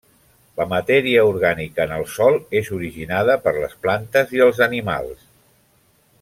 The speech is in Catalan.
La matèria orgànica en el sòl és originada per les plantes i els animals.